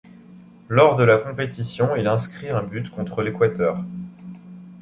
Lors de la compétition, il inscrit un but contre l'Équateur.